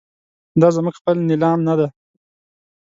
دا زموږ خپل نیلام نه دی.